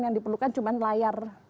yang diperlukan cuma layar